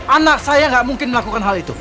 anak saya gak mungkin melakukan hal itu